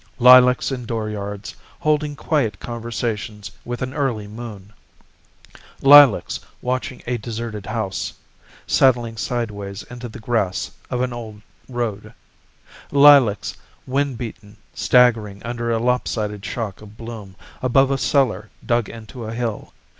Lilacs in dooryards Holding quiet conversations with an early moon; Lilacs watching a deserted house Settling sideways into the grass of an old road; Lilacs, wind beaten, staggering under a lopsided shock of bloom Above a cellar dug into a hill.